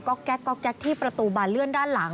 ก็แก๊กที่ประตูบาเลื่อนด้านหลัง